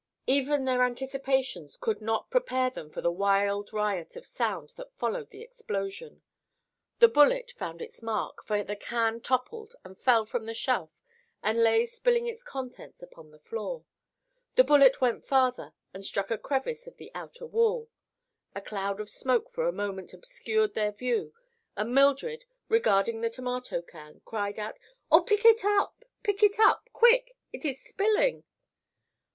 Even their anticipations could not prepare them for the wild riot of sound that followed the explosion. The bullet found its mark, for the can toppled and fell from the shelf and lay spilling its contents upon the floor. The bullet went farther and struck a crevice of the outer wall. A cloud of smoke for a moment obscured their view and Mildred, regarding the tomato can, cried out: "Oh, pick it up! Pick it up, quick! It is spilling."